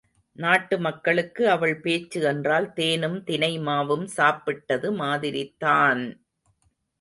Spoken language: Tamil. நாட்டு மக்களுக்கு அவள் பேச்சு என்றால் தேனும் தினைமாவும் சாப்பிட்டது மாதிரிதான்!...